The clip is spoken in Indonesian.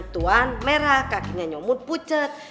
tuan merah kakinya nyomot pucet